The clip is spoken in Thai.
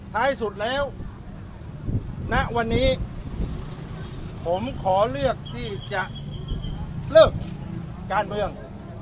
ท้ายสุดแล้วณวันนี้ผมขอเลือกที่จะเลิกการเมือง